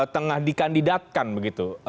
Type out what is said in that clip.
tengah dikandidatkan begitu